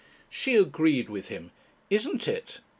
She agreed with him. "Isn't it?"